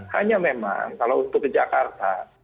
hanya memang kalau untuk ke jakarta